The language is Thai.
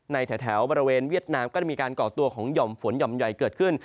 แถวบริเวณเวียดนามก็ได้มีการก่อตัวของหย่อมฝนหย่อมใหญ่เกิดขึ้น